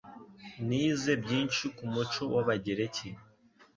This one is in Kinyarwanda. Nize byinshi ku muco w'Abagereki.